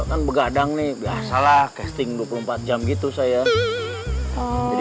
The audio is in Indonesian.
kan begadang nih biasalah casting dua puluh empat jam gitu saya jadi